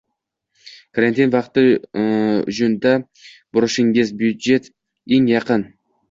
Karantin vaqti ujunda budirishingiz byudjet Eng yaqin t jri jwl